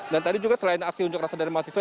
dan tadi juga selain aksi unjuk rasa dari mahasiswa